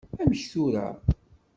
Amek tura?